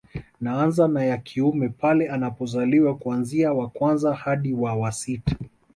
Naanza na ya kiume pale anapozaliwa kuanzia wa kwanza hadi wa wa sita